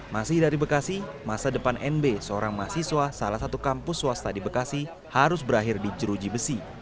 masih dari bekasi masa depan nb seorang mahasiswa salah satu kampus swasta di bekasi harus berakhir di jeruji besi